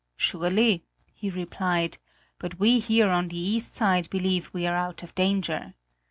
"Surely," he replied, "but we here on the east side believe we are out of danger.